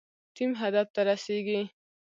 ټیم هدف ته رسیږي